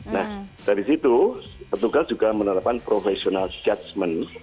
nah dari situ petugas juga menerapan professional judgment